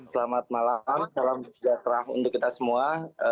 selamat malam salam sejahtera untuk kita semua